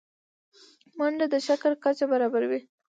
منډه د شکر کچه برابروي